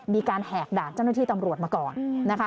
แหกด่านเจ้าหน้าที่ตำรวจมาก่อนนะคะ